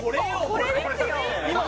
これですよ